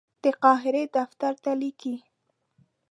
د قاهرې دفتر ته لیکي.